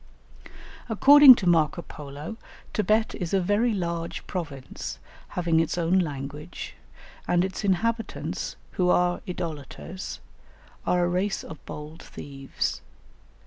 According to Marco Polo, Thibet is a very large province, having its own language; and its inhabitants, who are idolaters, are a race of bold thieves.